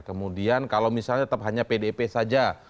kemudian kalau misalnya tetap hanya pdip saja